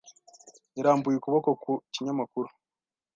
Yarambuye ukuboko ku kinyamakuru.